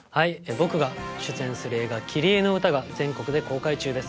僕が出演する映画「キリエのうた」が全国で公開中です